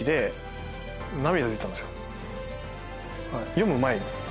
読む前に。